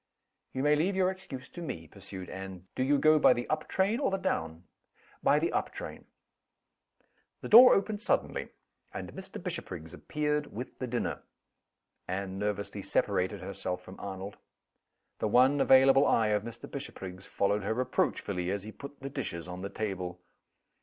"You may leave your excuse to me," pursued Anne. "Do you go by the up train, or the down?" "By the up train." The door opened suddenly; and Mr. Bishopriggs appeared with the dinner. Anne nervously separated herself from Arnold. The one available eye of Mr. Bishopriggs followed her reproachfully, as he put the dishes on the table.